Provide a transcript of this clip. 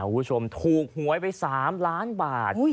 คุณผู้ชมถูกหวยไป๓ล้านบาท